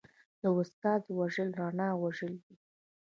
د استاد وژل رڼا وژل دي.